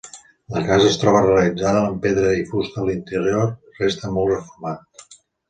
La casa es troba realitzada amb pedra i fusta i l'interior resta molt reformat.